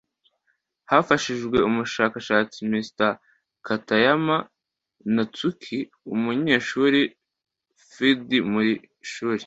Hafashijwe umushakashatsi Ms Katayama Natsuki umunyeshuli Ph D mu ishuli